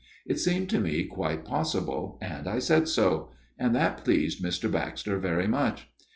It seemed to me quite possible, and I said so ; and that pleased Mr. Baxter very much.